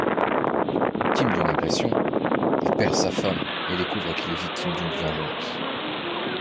Victime d'une agression, il perd sa femme et découvre qu'il est victime d'une vengeance.